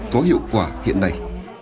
có hiệu quả hiện nay